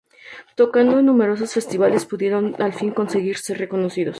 Tocando en numerosos festivales pudieron al fin conseguir ser reconocidos.